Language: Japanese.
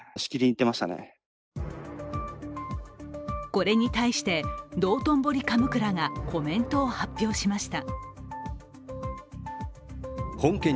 これに対して、どうとんぼり神座がコメントを発表しました。